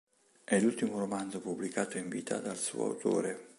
È l'ultimo romanzo pubblicato in vita dal suo autore.